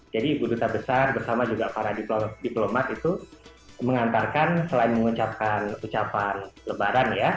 jadi ibu duta besar bersama juga para diplomat itu mengantarkan selain mengucapkan ucapan lebaran ya